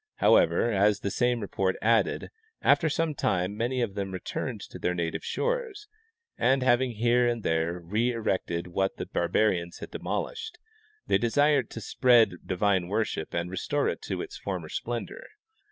However, as the same report added, after some time many of them returned to their native shores, and having here and there re erected what the barbarians had demolished, they desired to spread divine worship and restore it to its former splendor.